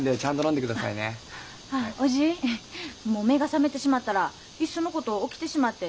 あおじぃ目が覚めてしまったらいっそのこと起きてしまって。